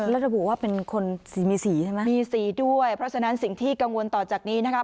แล้วระบุว่าเป็นคนสีมีสีใช่ไหมมีสีด้วยเพราะฉะนั้นสิ่งที่กังวลต่อจากนี้นะครับ